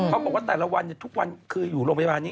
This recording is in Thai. เขาบอกว่าแต่ละวันทุกวันคืออยู่โรงพยาบาลนี้